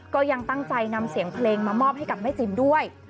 ก็ยังตั้งใจนำเสียงเพลงมามอบให้กับแม่จิ๋มด้วย